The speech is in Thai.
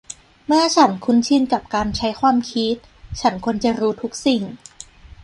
เมื่อฉันคุ้นชินกับการใช้ความคิด ฉันควรจะรู้ทุกสิ่ง